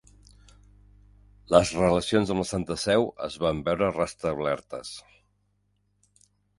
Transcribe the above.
Les relacions amb la Santa Seu es van veure restablertes.